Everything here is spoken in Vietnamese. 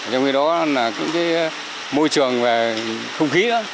trong khi đó là môi trường và không khí